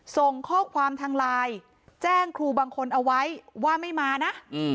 ส่งข้อความทางไลน์แจ้งครูบางคนเอาไว้ว่าไม่มานะ